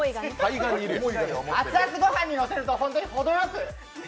熱々ご飯にのせると本当に驚く。